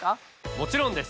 もちろんです！